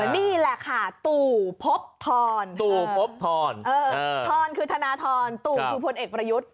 นี่แหละค่ะตู่พบธรธรคือธนาธรตู่คือพลเอกประยุทธ